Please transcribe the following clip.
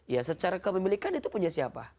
ya secara kepemilikan itu punya siapa